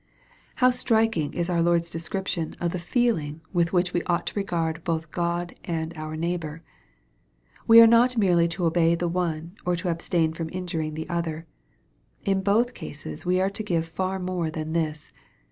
How striking is our Lord's description of the feeling with which we ought to regard both God and our neigh bor ! We are not merely to obey the one, or to abstain from injuring the other. In both cases we are to give far more than this.